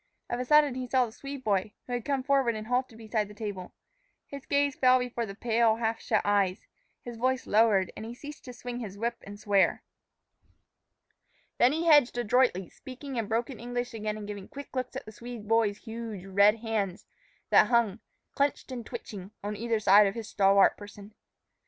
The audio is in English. Of a sudden he saw the Swede boy, who had come forward and halted beside the table. His gaze fell before the pale, half shut eyes, his voice lowered, and he ceased to swing his whip and swear. Then he hedged adroitly, speaking in broken English again and giving quick looks at the Swede boy's huge, red hands, that hung, clenched and twitching, on either side of his stalwart person.